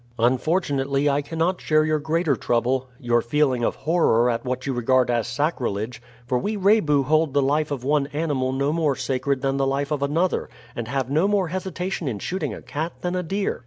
"Unfortunately, I cannot share your greater trouble your feeling of horror at what you regard as sacrilege; for we Rebu hold the life of one animal no more sacred than the life of another, and have no more hesitation in shooting a cat than a deer.